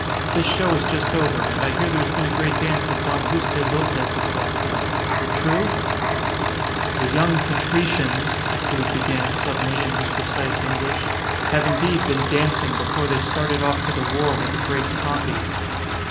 This show is just over, and I hear there has been a great dance at Don Juste Lopez's last night. Is it true?" "The young patricians," Decoud began suddenly in his precise English, "have indeed been dancing before they started off to the war with the Great Pompey."